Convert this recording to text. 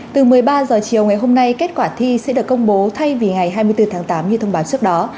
từ một mươi ba h chiều ngày hôm nay kết quả thi sẽ được công bố thay vì ngày hai mươi bốn tháng tám như thông báo trước đó